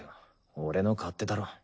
俺の勝手だろ。